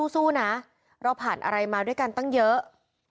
สู้นะเราผ่านอะไรมาด้วยกันตั้งเยอะ